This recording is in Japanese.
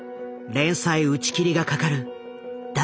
連載打ち切りがかかる第４話。